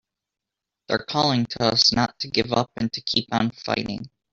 They're calling to us not to give up and to keep on fighting!